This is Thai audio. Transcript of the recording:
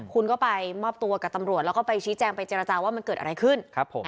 คุณก็ไปมอบตัวกับตำรวจแล้วก็ไปชี้แจงไปเจรจาว่ามันเกิดอะไรขึ้น